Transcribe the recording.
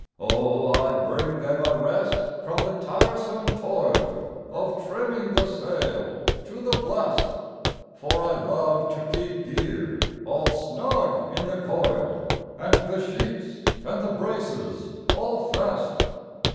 Oh, I bring them a rest from the tiresome toil Of trimming the sail to the blast; For I love to keep gear all snug in the coil And the sheets and the braces all fast.